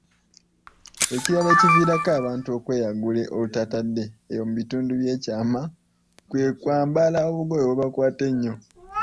Ekirala ekiviirako abantu okweyagula olutatadde eyo mu bitundu by'ekyama, kwe kwambala obugoye obubakwata ennyo.